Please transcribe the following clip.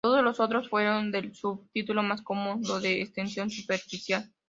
Todos los otros fueron del subtipo más común, lo de extensión superficial.